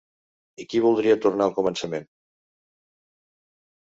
I aquí voldria tornar al començament.